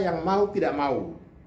yang mau tidak mau